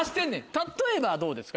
例えばどうですか？